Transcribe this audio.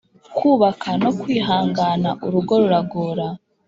Kubaka nukwihangana urugo ruragora